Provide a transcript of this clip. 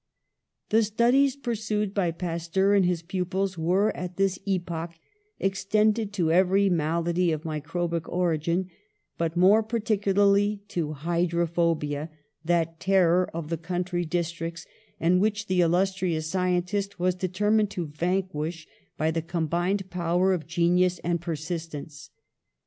The studies pursued by Pasteur and his pu pils were at this epoch extended to every malady of microbic origin, but more particu larly to hydrophobia, that terror of the country districts, and which the illustrious scientist was determined to vanquish by the combined power of genius and persistence.